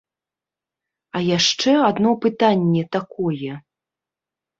А яшчэ адно пытанне такое.